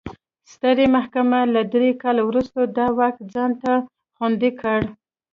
سترې محکمې له درې کال وروسته دا واک ځان ته خوندي کړ.